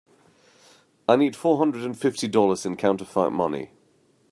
I need four hundred and fifty dollars in counterfeit money.